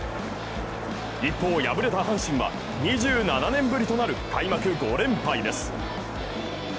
一方、敗れた阪神は２７年ぶりとなる開幕５連敗です。